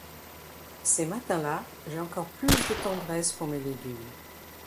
Ces matins-là, j’ai encore plus de tendresses pour mes légumes...